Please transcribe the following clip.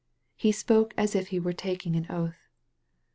He spoke as if he were taking an oath.